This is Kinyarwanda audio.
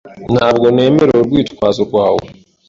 Ntabwo nemera urwitwazo rwawe.